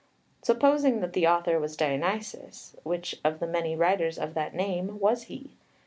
Supposing that the author was Dionysius, which of the many writers of that name was he?